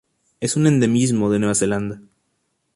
Es un endemismo de Nueva Zelanda.